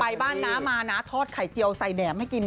ไปบ้านน้ามานะทอดไข่เจียวใส่แหนมให้กิน